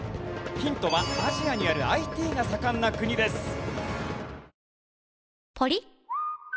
ヒントはアジアにあるＩＴが盛んな国です。